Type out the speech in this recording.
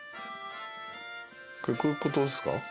これこういうことっすか？